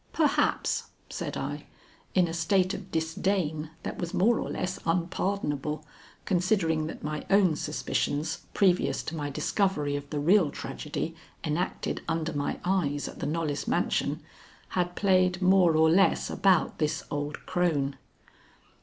"Perhaps," said I, in a state of disdain that was more or less unpardonable, considering that my own suspicions previous to my discovery of the real tragedy enacted under my eyes at the Knollys mansion had played more or less about this old crone.